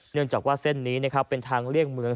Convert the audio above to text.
เนื่องจากว่าเส้นนี้นะครับเป็นทางเลี่ยงเมือง